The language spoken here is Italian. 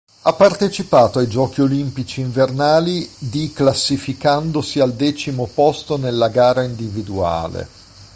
Ha partecipato ai Giochi olimpici invernali di classificandosi al decimo posto nella gara individuale.